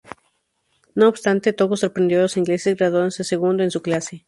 No obstante, Tōgō sorprendió a los ingleses graduándose segundo en su clase.